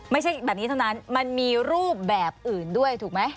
ไม่ใช่แบบนี้เท่านั้นมันมีรูปแบบอื่นด้วยถูกไหม